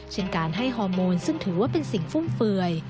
เช่นการให้ฮอร์โมนซึ่งถือว่าเป็นสิ่งฟุ่มเฟือย